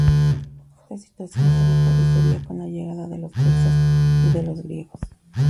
Esta situación solo aparecería con la llegada de los persas y de los griegos.